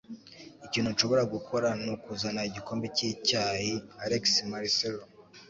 Ikintu nshobora gukora nukuzana igikombe cyicyayi. (alexmarcelo)